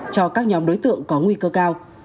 cho các nhóm đối tượng có nguy cơ cao